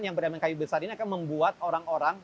yang beremen kayu besar ini akan membuat orang orang